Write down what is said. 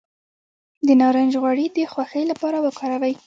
د نارنج غوړي د خوښۍ لپاره وکاروئ